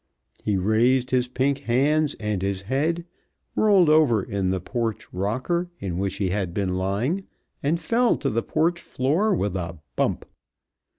He raised his pink hands and his head, rolled over in the porch rocker in which he had been lying, and fell to the porch floor with a bump.